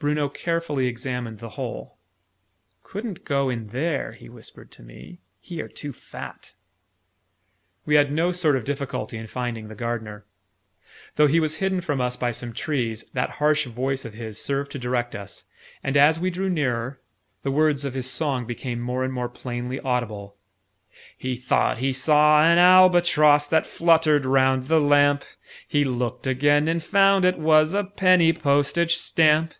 Bruno carefully examined the hole. "Couldn't go in there," he whispered to me. "He are too fat!" We had no sort of difficulty in finding the Gardener. Though he was hidden from us by some trees, that harsh voice of his served to direct us; and, as we drew nearer, the words of his song became more and more plainly audible: "He thought he saw an Albatross That fluttered round the lamp: He looked again, and found it was A Penny Postage Stamp.